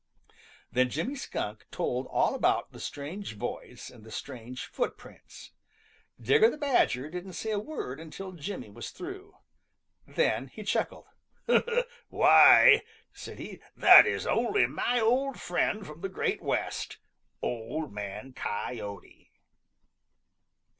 Then Jimmy Skunk told all about the strange voice and the strange footprints. Digger the Badger didn't say a word until Jimmy was through. Then he chuckled. "Why," said he, "that is only my old friend from the Great West Old Man Coyote."